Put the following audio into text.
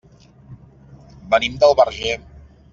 Venim del Verger.